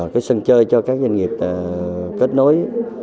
cái sân chơi cho các doanh nghiệp kết nối